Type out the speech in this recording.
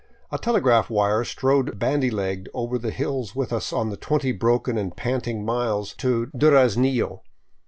A telegraph wire strode bandy legged over the hills with us on the twenty broken and panting miles to Duraznillo.